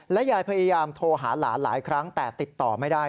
ยายพยายามโทรหาหลานหลายครั้งแต่ติดต่อไม่ได้